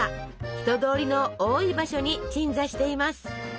人通りの多い場所に鎮座しています。